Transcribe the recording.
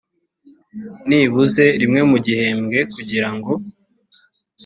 nibuze rimwe mu gihembwe kugira ngo